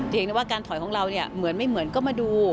เพียงแต่ว่าการถอยของเราเหมือนไม่เหมือนก็มาดู